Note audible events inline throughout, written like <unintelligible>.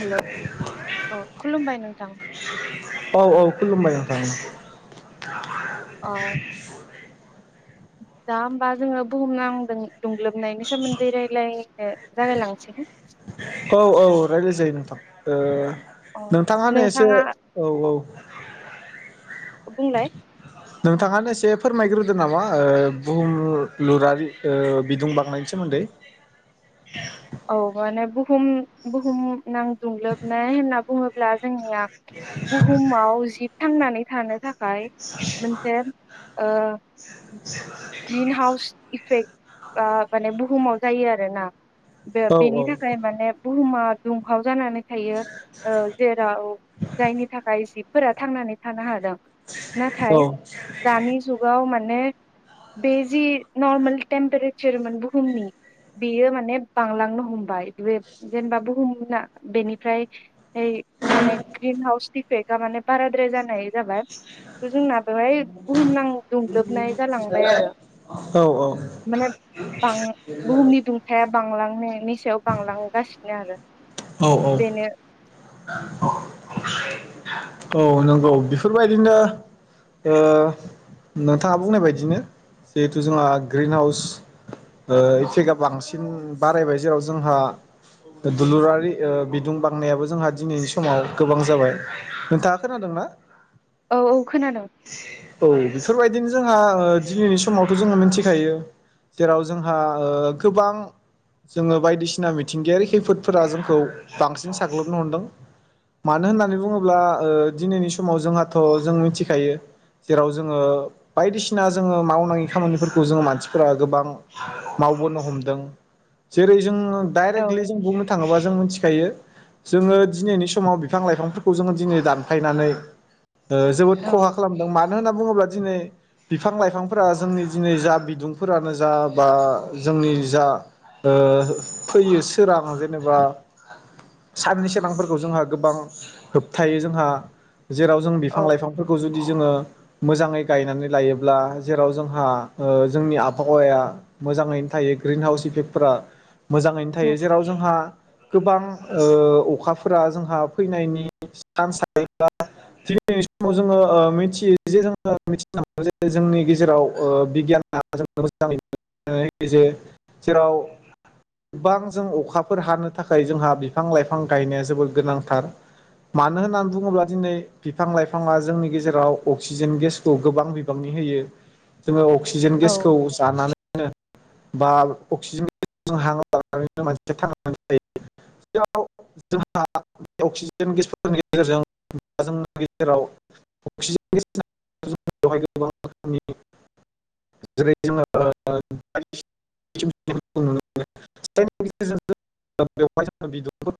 हेल' अ खुलुमबाय नोंथां <inaudible> औ औ <inaudible> औ दा होमबा जोङो बुहुम नांदों दुंग्लोब ननायनिनो सोमोनदै रायलाय ए जागाय लांसै ना? औ औ रायलाजायो नोंथां ओ अ नोंथाङानो एसे नोंथाङा औ औ बुंलाय <inaudible> नोंथाङानो एसे फोरमायग्रोदो नामा ओ बुहुम लुरारि ओ बिदुं बांनायनि सोमोन्दै औ माने बुहुम बुहुम नांदुंलोबनाय होनना बुङोब्ला जोंनिया बुहुमाव जि थांनानै थानो थाख खाय मोनसे ओ ग्रिन हाउस इफेक्ट ओ माने बुहुमाव जायो आरोना। बे औ बेनि थाखाय माने बुहुमा दुंहाव जानानै थायो औ जेराव जायनि थाखाय जिब फोरा थांनानै थानो हादों। औ नाथाय दानि जुगाव मान ने बे जि नर्मेल टेम्पारेचारमोन बुहुमनि बेयो माने बांलांनो हमबाय बे जेनेबा बुहुमना बेनिफ्राय फाय माने ग्रिन हाउसपिप पेगा माने बाराद्राय जानाय जाबाय थ जोंना बेवहाय बुहुमनां दुंग्लोबनाय जालांबाय आरो औ माने बां बुहुमनि दुंथाया बांलांनायनि सायाव बांलां गासिनो आरो औ बेनो औ नंगौ बेफोरबायदिनो ओ नोंथाङा बुंनाय बायदिनो जिहेथु जोंहा ग्रिन हाउस ओ इफेक्टआ बांसिन बारायबाय जेराव जोंहा दुलुरारि ओ बिदुं बांनायाबो जोंहा दिनैनि समाव गोबां जाबाय नोंथाङा खोनादों ना? औ औ खोनादों । बेफोरबायदिनो जोंहा ओ दिनैनि समावथ' जोङो मिन्थिखायो जेराव जोंहा ओ गोबां जोङो बायदिसिना मिथिंगायारि खैफोदफोरा जोंखौ बांसिन साग्लोबनो हमदों। मानो होननानै बुङोब्ला ओ दिनैनि समाव जोंहाथ' जों मिथिखायो जेराव जोङो बायदिसिना जोङो मावनाङि खामानिफोरखौ जोङो मानसिफोरा गोबां मावबोनो हमदों जेरै जों औ दाइरेक्टलि जों बुंनो थाङोबा जों मोनथि खायो जोङो दिनैनि समाव बिफां लाइफांफोरखौ जोङो दिनै दानफायनानै ओ जोबोद औ खहा खालामदों मानो होनना बुङोब्लाद दिनै बिफां लाइफांफोरा जोंनि दिनै जा बिदुंफोरानो जा बा जोंनि जा ओ फैयो सोरां जेनेबा साननि सोरां फोर खौ जोंहा गोबां होबथायो जोंहा जेराव जों बिफां औ लाइफांफोरखौ जुदि जोङो मोजाङै गायनानै लायोब्ला जेराव जोंहा ओ जोंनि आबहावाया मोजाङैनो थायो ग्रिन हाउस इफेक्टफोरा मोजाङैनो थायो उम जेराव जोंहा गोबां ओ अखाफ फोरा जोंहा फैनायनि सान्स थायो बा दिनै समाव जोङो ओ मिथियो जे जोङो मिथिना मोनो जे जोंनि गेजेराव ओ बिगियना जोंनो मोजाङै जे जेराव गोबां जों अखाफोर हानो थाखाय जोंहा बिफां लाइफां गायनोस जोबोर गोनांथार मानो होननानै बुङोब्ला दिनै बिफां लाइफाङा जोंनि गेजेराव अक्सिजेन गेसखौ गोबां बिबांनि होयो । जोङो अक्सिजेन औ गेसखौ जानानै नो बा अक्सिजेनजों हां लानानै मानसिया थांनानै थायो <unintelligible> जोंहा अक्सिजेन गेसफोरनि गेजेरजों जोंनि गेजेराव अक्सिजेन <unintelligible> ओ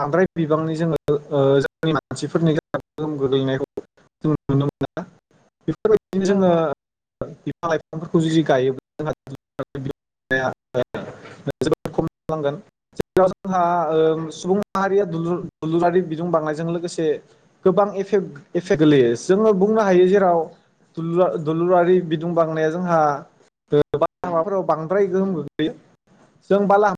बांद्राय बिबांनि जोङो ओजोंनि मानसिफोरनि गेजाव गोहोम गोग्लैनायखौ जों नुनो मोनो । बेफोरबायदिनो जोङो औ बिफां लाइफ <unintelligible> जोबनायाव जोंहा ओ सुबुं माहारिया दुलुर दुलुरारि बिदुं बांनायजों लोगोसे गोबां एफेक्ट एफेक्ट गोलैयो जोङो बुंनो हायो जेराव दुलु दलुरारि बिदुं बांनाया जोंहा माबाफोराव बांद्राय गोहोम गोग्लैयो जों बालाहामा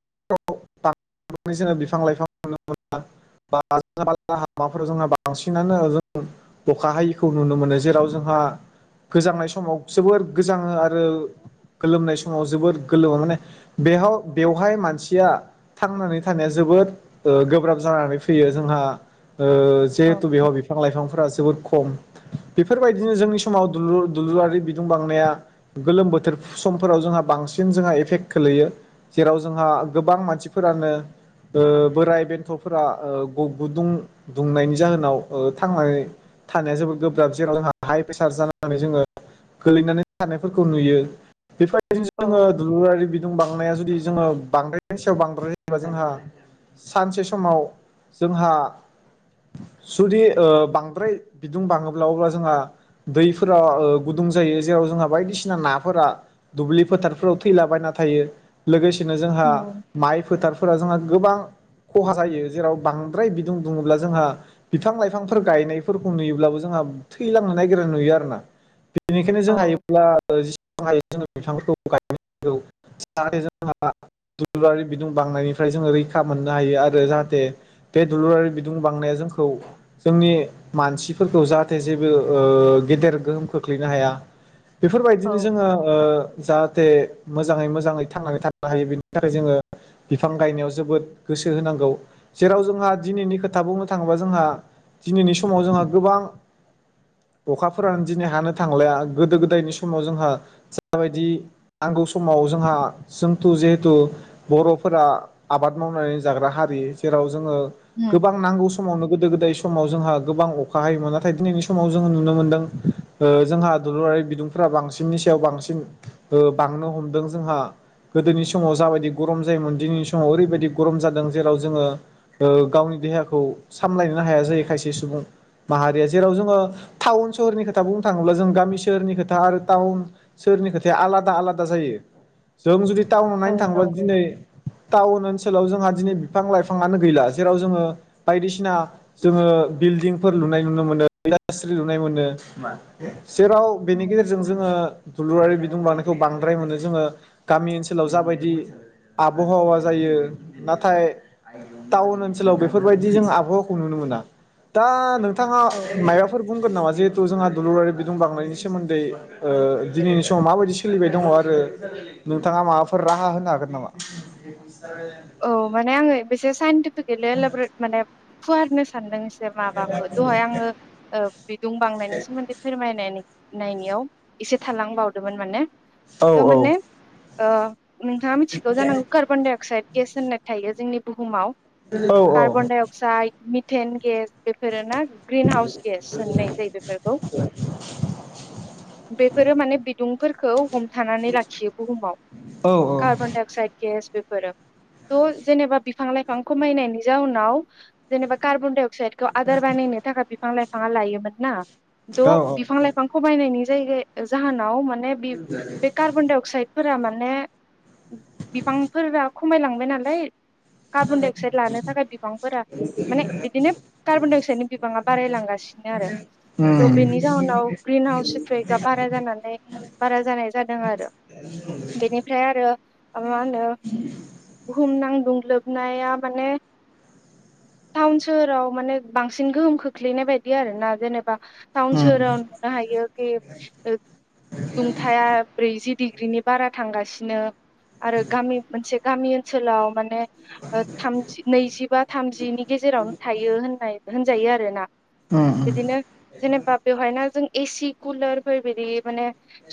<unintelligible> बिफां लाइफां नुनो मोना <unintelligible> जोंहा बांसिनानो जों अखा हायिखौ नुनो मोनो जेराव जोंहा गोजांनाय समाव जोबोर गोजाङो आरो गोलोमनाय समाव जोबोर गोलोमो माने बेहाव बेवहाय मानसिया थांनानै थानाया जोबोद ओ गोब्राब जानानै फैयो जोंहा। ओ औ जिहेथु बेहाव बिफां लाइफांफोरा जोबोद ख खम बेफोरबायदिनो जोंनि समाव दुलुर दुलुरारि बिदुं बांनाया गोलोम बोथोर समफोराव जोंहा बांसिन जोंहा एफेक्ट खोलैयो जेराव जोंहा गोबां मानसिफोरानो ओ बोराय बेन्थ'फोरा ओ ग-गुदुं दुंनायनि जाहोनाव ओ थांनानै थानाया जोबोद गोब्राब जेराव जोंहा हाइ प्रेसार जानानै जोङो गोलैनानै थानायफोरखौ नुयो । बेफोरबायदिनो जोङो औ दुलुरारि बिदुं बांनाया जु दि जोङो बांद्रायनायनि सायाव बांद्राय जायोबा जोंहा सानसे समाव जोंहा जुदि ओ बांद्राय बिदुं बाङोब्ला अब्ला जोंहा दैफोरा ओ गुदुं जायो जेराव जोंहा बायदिसिना नाफोरा दुब्लि फोथारफोराव थैलाबायना थायो लोगोस नो जोंहा उम माइ फोथारफोरा जोंहा गोबां खहा जायो जेराव बांद्राय बिदुं बुङोब्ला जोंहा बिफां लाइफांफोर गायनायफोरखौ नुयोब्लाबो जोंहा थैलांनो नागिरनाय नुयो आरोना। बेनिखायनो औ जों हायोब्ला जसेबां हायो जोङो बिफांखौ गायनांगौ जाहाथे जोंहा दुलुरारि बिदुं बांनायनिफ्राय जों रै खा मोननो हायो आरो जाहाथे बे दलुरारि बिदुं बांनाया जोंखौ जोंनि मानसिफोरखौ जाहाथे जेबो ओ गेदेर गोहोम खोख्लैनो हाया। बेफोरबायदिनो औ जोङो ओ जाहाथे मोजाङै मोजाङै थांनानै थानो हायो बेनि थाखाय जोङो बिफां गायनायाव जोबोद गोसो होनांगौ जेराव जोंहा दिनैनि खोथा बुंनो थाङोबा जोंहा दिनैनि समाव जोंहा गोबां अखाफोरानो दिनै हानो थांलाया गोदो गोदायनि समाव जोंहा जाबायदि नांगौ समाव जोंहा जोंथु जिहेथु बर'फोरा आबाद मावनानै जाग्रा हारि जेराव जोङो उम गोबां नांगौ समावनो गोदो गोदाय स समाव जोंहा गोबां अखा हायोमोन नाथाय दिनैनि समाव जोङो नुनो मोनदों ओ जोंहा दुलुरारि बिदुंफोरा बांसिननि सायाव बांसिन बांनो हमदों जोंहा गोदोनि समाव जा बायदि गरम जायोमोन दिनैनि समाव ओरैबायदि गरम जादों जेराव जोङो ओ गावनि देहाखौ सामलायनोनो हाया जायो खायसे सुबुं माहारिया जेराव जोङो टाउन सोहरनि खोथा बुंनो थाङोब्ला जों गामि सोहोरनि खोथा आरो टाउन सोहोरनि खोथाया आलादा आलादा जायो जों जुदि टाउन औ नायनो थाङोबा नंगौ दिनै टाउन ओनसो ओनसोलाव जोंहा दिनै बिफां लाइफाङानो गैला जेराव जोङो बायदिसिना जोङो बिल्डिंफोर लुनाय नुनो मोनो इडास्ट्रि लुनाय मोनो। जेराव बेनि उम गेजेरजों जोङो दुलुरारि बिदुं लांनायखौ बांद्राय मोनो जोङो गामि ओनसोलाव जाबायदि आबहावा जायो। नाथाय टाउन ओनसोलाव बेफोरबायदि जों आबहावाखौ नुनो मोना दा नों थाङा औ मायबाफोर बुंगोन नामा जे थु जोंहा दुलुरारि बिदुं बांनायनि सोमोन्दै ओ दिनैनि समाव माबायदि सोलिबाय दङ आरो नोंथाङा माबाफोर राहा होनो हागोन नामा? औ माने आङो बेसे साइन <unintelligible> माने फुवारनो सानदों जे माबाखौ दहाय आङो ओ बिदुं बांनायनि सोमोन्दै फोरमायनाय नायनायाव एसे थालां बावदोंमोन माने औ औ अ नोंथांङा मिथिगौ जानांगौ कार्बनडाय अक्साइड गेस होननाय थायो जोंनि बुहुमाव। औ कार्बनडाय अक्साइड मिटेन गेस बेफोर ना? ग्रिन हाउस गेस होननाय जायो बेफोरखौ बेफोरो माने बिदुं फोरखौ हमथानानै लाखियो बुहुमाव औ कार्बन डाइ अक्साइड गेस बे फोर थ जेनेबा बिफां लाइफां खमायनायनि जाउनाव जेनेबा कार्बन डाइ अक साइड खौ आदार बानायनो थाखाय बिफां लाइ लायोमोन ना द औ औ बिफां लाइफांखौ बायनायनि जाय जाहोनाव मा बे बे कारबनडाय अक्साइड फोरा माने बिफांफोरा खमायलांबाय नालाय कार्बदाइ अक्साइड लानो थाखाय बिबांफोरा माने बिदिनो कार्बनदाइ अक्साइदनि बिबांङा बारायलांगासिनो आरो थ उम बेनि जाहोनाव ग्रिन हाउस इपेकआ बारा जानानै बारा जानाय जादों आरो बेनिफ्राय आरो ओ माहोनो बुहुम नांदुं लोबनाया माने टाउन सोहोराव माने बांसिन गोहोम खोख्लैनाय बायदि आरोना जेनेबा बा टाउन उम सहोराव नुनो हायो खि <unintelligible> दुंथाया ब्रैजि डिग्रिनि बारा थांगासिनो आरो गामि मोनसे गामि ओनसोलाव माने ओ थामजि नैजिबा थामजिनि गेजेरावनो थायो होननाय होनजायो आरो ना उम उम बिदिनो जेनेबा बेवहाय ना जों एसि कुलार बायदि माने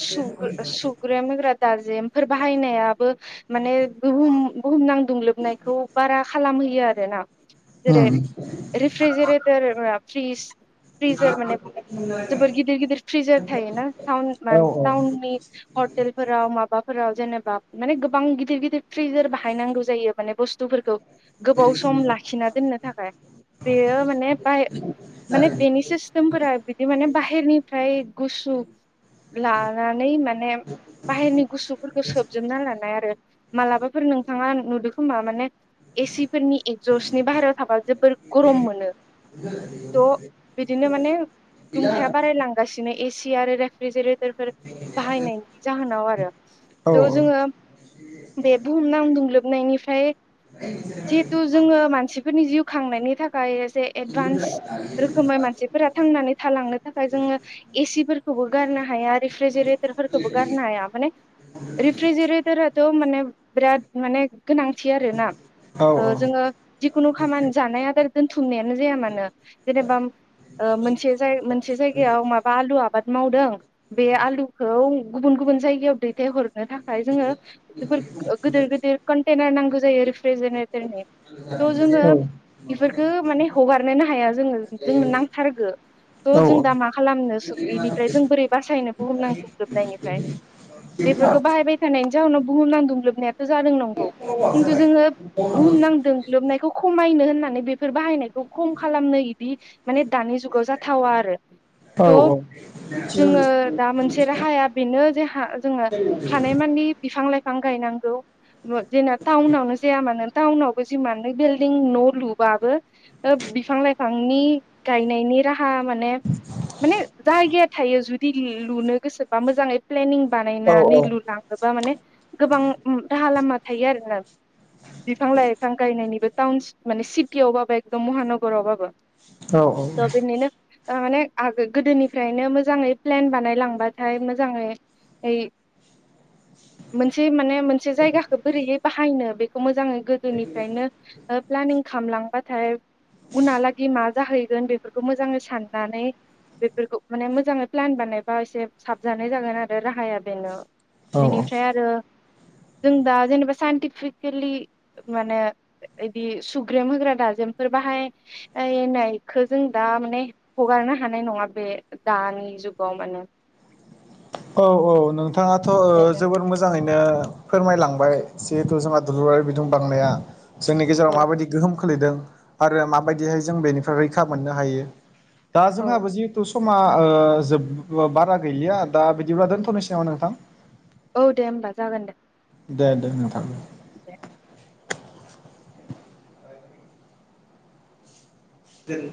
सुग सुग्रेम होग्रा दारजेमफोर बाहायनायाबो माने बुह बुहुम नांदुंलोबनायखौ बारा खालामहोयो आरो ना जेरै उम रिफ्रिजिरेटर फ्रिज फ्रिजार माने जोबोर गिदिर गिदिर फ्रिजार थायोना टाउन औ टाउननि हटेलफोराव माबाफोराव जेनेबा माने गोबां गिदिर गिदिर फ्रिजार बाहायनांगौ जायो माने बुस्थुफोरखौ गोबाव सम लाखिना दोननो थाखाय बेयो माने बाहाय माने बेनि सिस्टेमफोरा बिदि माने बाहेरनिफ्राय गुसु लानानै माने बाहेरनि गुसुफोरखो सोबजोबना लानाय आरो मालाबाफोर नोंथाङा नुदो खोमा माने एसि फोरनि एक्जसदनि बाहेरायाव थाबा जोबोर गरम मोनो थह बिदिनो माने दुंथाया बारायलांगासिनो ए सि आरो रेफ्रिजेरेट फोर बाहायनायनि जाहोनाव आरो औ थह जोङो बे बुहुमनां दुंलोब नायनिफ्राय जिहेथु जोङो मानसिफोरनि जिउ खांनायनि थाखाय जे एडभान्स रोखोमै मानसिफोरा थांनानै थालांनो थाखाय जोङो एसिफोरखौबो गारनो हाया रिफ्रिजेरेटरफोरखौबो गारनो हाया माने रिफ्रिजेरेटरा खौ माने बिराद माने गोनांथि आरोना औ औ ओ औ जोङो जिखुनु खामानि जानाय आदार दोनथुमनायानो जाया मानो जेनेबा मोनसे मोनसे जायगायाव माबा आलु आबाद मावदों बे आलुखौ गुबुन गुबुन जायगायाव दैथायहर नों थाखाय जोङो जोबोद गोदोर गोदोर कन्टेनार नांगौ जायो रिफ्रिजिरेटरनि औ थ' जोङो बेफोरखो माने हगारनोनो हाया जोङो जोंनो नांथारगो थ' जों दा मा खालामनो इनिफ्राय जों बोरै बासायनो बुहुमनां दुंग्लोबनायनिफ्राय बेफोरखौ बाह <unintelligible> जाउनाव बुहुम दुंग्लोबनाया जादों नंगौ खिन्थु जोङो बुहुमनां दोंग्लोबनायखौ खमायनो होन नानै बेफोर बाहायनायखौ खम खालामनो इदि माने दानि जुगाव जाथावा आरो त जोङो दा मोनसे राहाया बेनो जे जोङो हानायमानि बिफां लायफां गायनांगौ। न'आ जोंना टाउनावनो जाया मानो टाउनावबो जिमानो बिल्डिं न' लुबाबो ओ बिफां लाइफांनि गायनायनि राह हा माने माने जायगाया थायो जु दि लुनो गोसोबा मोजाङै प्लेनिं बानायनानै लुलाङोब माने गोबां राहा लामा थायो आरोना बिफां लाइफां गायनायनिबो टाउन माने सिटियावबाबो एकदम महानगरावबाबो दा बिनिनो तारमाने आ गोदोनिफ्रायनो मोजाङै प्लेन बानायलांबाथाय मोजाङै यै मोनसे माने मोनसे जायगाखौ बोरैहाय बाहायनो बेखौ मोजां जाङै गोदोनिफ्रायनो प्लेनिं खालामलां बाथाय। उनहालागि मा जाहैयो जोन बेफोरखौ मोजाङै साननानै बेफोरखौ माने मोजाङै प्लेन बानायबा एसे साबजानाय जागोन आरो राहाया बेनो। औ बेनिफ्राय आरो। जों दा जेनेबा साइन्टिफिकेलि माने बिदि सुग्रेम होग्रा दाजेमफोर बाहायनायखो जों दा माने हगारनो हानाय नङा बे दानि जुगाव माने औ औ नों थाङाथ' बेनो जबोर मोजाङैनो ओ फोरमायलांबाय जिहेथु जोंहा दुलुरारि बिदुं बांनाया जोंनि गेजेराव औ माबायदि गोहोम खो सोलिदों आरो माबायदिहाय जों बेनिफ्राय रैखा मोननो हायो दा औ जोंहाबो जिहेतु समा ओ जोब बारा गैलिया आरो। दा बिदिब्ला दोनथ'नोसै नामा नोंथां। औ दे होमबा जागोन दे। दे दे नोंथां। दे। दे।